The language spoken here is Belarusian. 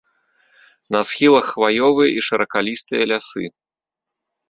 На схілах хваёвыя і шыракалістыя лясы.